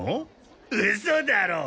ウソだろう。